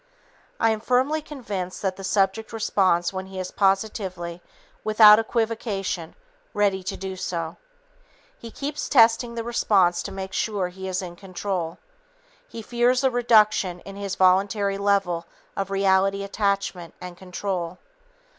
I am firmly convinced that the subject responds when he is positively, without equivocation, ready to do so. He keeps testing the response to make sure he is in control. He fears a reduction in his voluntary level of reality attachment and control.